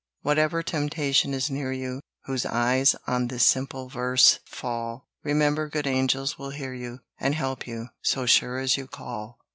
Whatever temptation is near you, Whose eyes on this simple verse fall, Remember good angels will hear you, And help you, so sure as you call.